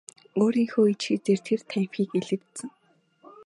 Өөрийнхөө ид шидээр тэр танхимыг илбэдсэн.